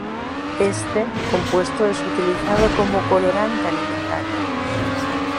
Éste compuesto es utilizado como colorante alimentario.